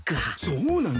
そうなの？